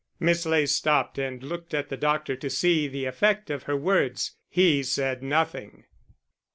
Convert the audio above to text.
'" Miss Ley stopped and looked at the doctor to see the effect of her words. He said nothing.